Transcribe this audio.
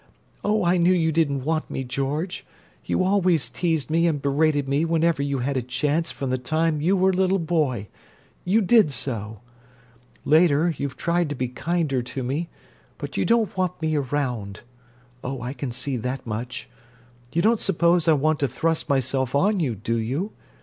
Oh, I knew you didn't want me, George! You always teased me and berated me whenever you had a chance from the time you were a little boy—you did so! Later, you've tried to be kinder to me, but you don't want me around—oh, I can see that much! You don't suppose I want to thrust myself on you, do you?